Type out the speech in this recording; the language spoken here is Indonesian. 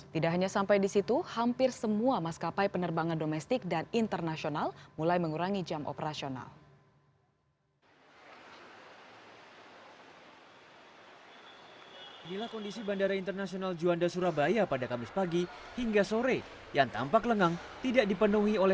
tidak hanya sampai di situ hampir semua maskapai penerbangan domestik dan internasional mulai mengurangi jam operasional